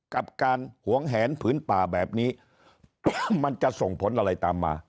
กับการหวงแหนผืนป่าแบบนี้มันจะส่งผลอะไรตามมา